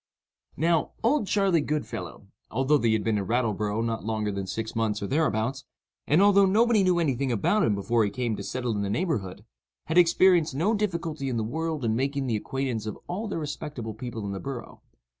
Now, "Old Charley Goodfellow," although he had been in Rattleborough not longer than six months or thereabouts, and although nobody knew any thing about him before he came to settle in the neighborhood, had experienced no difficulty in the world in making the acquaintance of all the respectable people in the borough.